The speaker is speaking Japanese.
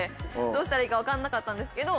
どうしたらいいか分かんなかったんですけど。